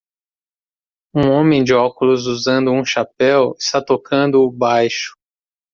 Um homem de óculos usando um chapéu está tocando o baixo